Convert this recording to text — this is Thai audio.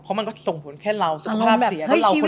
เพราะมันก็ส่งผลแค่เราสุขภาพเสียก็เราคนเดียว